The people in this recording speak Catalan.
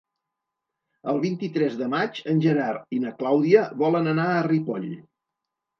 El vint-i-tres de maig en Gerard i na Clàudia volen anar a Ripoll.